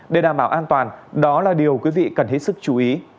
để đảm bảo an toàn đó là điều quý vị cần hết sức chú ý